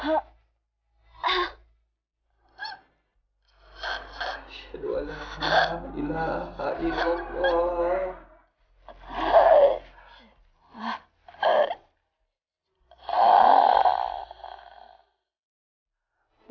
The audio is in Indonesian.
aisyahidu allah ilah ilah ilah